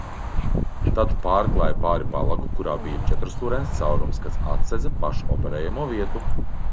Tad pārklāja pāri palagu, kurā bija četrstūrains caurums, kas atsedza pašu operējamo vietu.